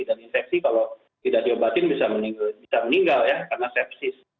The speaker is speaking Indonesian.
dan infeksi kalau tidak diobatin bisa meninggal ya karena sepsis